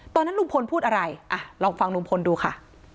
ตอนนั้นลุงพลพูดอะไรอ่ะลองฟังลุงพลดูค่ะ